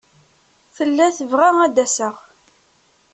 Tella tebɣa ad d-aseɣ.